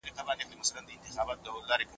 که تراشک وي نو پنسل نه ماتیږي.